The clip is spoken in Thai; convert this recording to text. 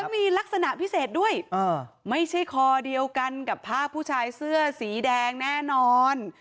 มีลักษณะพิเศษด้วยไม่ใช่คอเดียวกันกับภาพผู้ชายเสื้อสีแดงแน่นอน